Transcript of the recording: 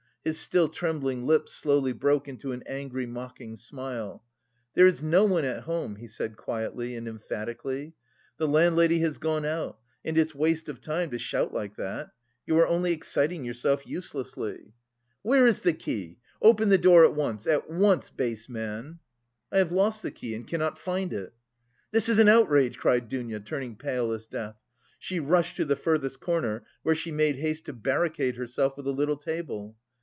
His still trembling lips slowly broke into an angry mocking smile. "There is no one at home," he said quietly and emphatically. "The landlady has gone out, and it's waste of time to shout like that. You are only exciting yourself uselessly." "Where is the key? Open the door at once, at once, base man!" "I have lost the key and cannot find it." "This is an outrage," cried Dounia, turning pale as death. She rushed to the furthest corner, where she made haste to barricade herself with a little table.